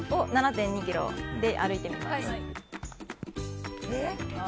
７．２キロで歩いてみます。